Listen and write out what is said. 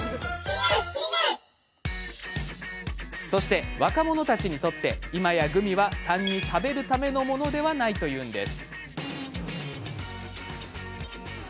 そして、若者たちにとって今やグミは単に食べるためのものではないというんです。